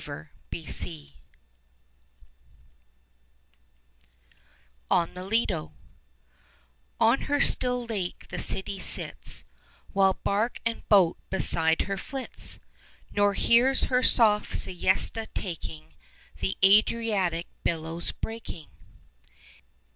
AT VENICE On the Lido On her still lake the city sits While bark and boat beside her flits, Nor hears, her soft siesta taking, The Adriatic billows breaking.